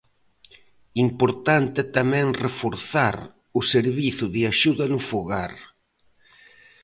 Importante tamén reforzar o Servizo de Axuda no Fogar.